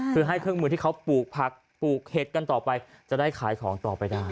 คือให้เครื่องมือที่เขาปลูกผักปลูกเห็ดกันต่อไปจะได้ขายของต่อไปได้